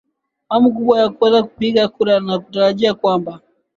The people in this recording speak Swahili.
hamu kubwa ya kuweza kupiga kura na kutarajia kwamba